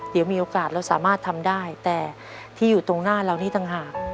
เดี๋ยวมีโอกาสเราสามารถทำได้แต่ที่อยู่ตรงหน้าเรานี่ต่างหาก